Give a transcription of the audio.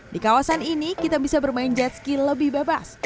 di kawasan ini kita bisa bermain jetski lebih bebas